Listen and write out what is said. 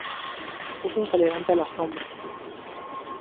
Es intolerante a la sombra.